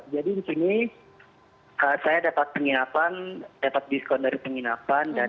jadi di sini saya dapat penginapan dapat diskon dari penginapan